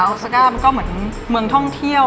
ซาก้ามันก็เหมือนเมืองท่องเที่ยว